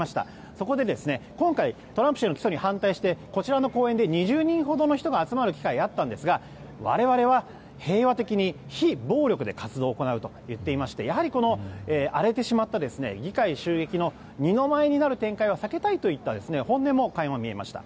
そこで今回、トランプ氏の起訴に反対してこちらの公園で２０人ほどの人が集まる機会がありましたが我々は平和的に非暴力で活動を行うと言っていましてやはり、荒れてしまった議会襲撃の二の舞いになる展開は避けたいといった本音も垣間見えました。